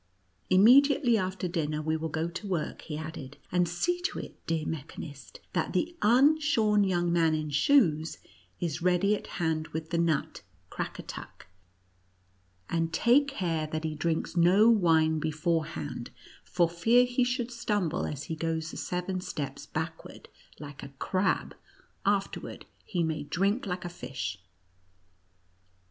" Immediately after dinner we will go to work," he added ;" and see to it, dear mechanist, that the unshorn young man in shoes is ready at hand with the nut Crackatuck ; and take care 74 KTJTCE ACKER AND MOITSE KENTG . that lie drinks no wine beforehand, for fear he should stumble as he goes the seven steps back ward, like a crab ; afterward he may drink like a fish."